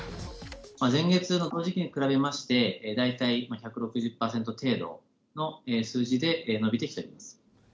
前月のこの時期に比べまして、大体１６０％程度の数字で伸びてきております。